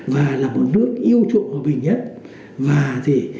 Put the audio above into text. và là một nước yêu chuộng hòa bình nhất